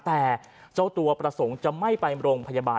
แต่เจ้าตัวประสงค์จะไม่ไปโรงพยาบาล